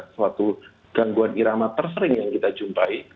suatu gangguan irama tersering yang kita jumpai